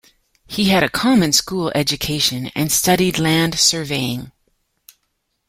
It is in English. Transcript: He had a common-school education, and studied land surveying.